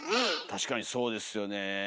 確かにそうですよね。